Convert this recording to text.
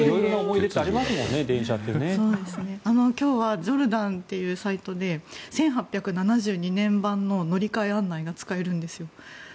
今日はジョルダンっていうサイトで１８７２年版の乗換案内が使えるんです。